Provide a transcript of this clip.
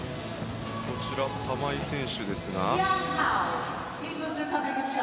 こちら、玉井選手ですが。